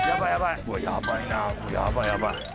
うわやばいなやばいやばい。